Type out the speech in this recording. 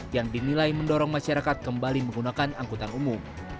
yang dinilai mendorong masyarakat kembali menggunakan angkutan umum